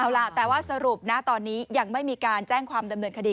เอาล่ะแต่ว่าสรุปนะตอนนี้ยังไม่มีการแจ้งความดำเนินคดี